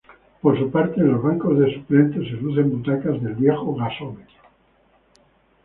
Por su parte, en los bancos de suplentes, se lucen butacas del Viejo Gasómetro.